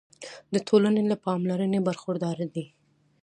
د ټولنې له پاملرنې برخورداره دي.